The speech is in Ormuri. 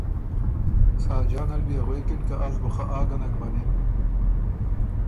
ساجان ال بيې غوېکِن که از بُو خه آ ګه نک مَنِم۔